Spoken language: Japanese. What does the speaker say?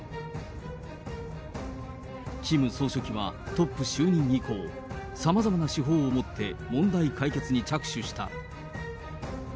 キム総書記はトップ就任以降、さまざまな手法をもって、問題解決に着手した。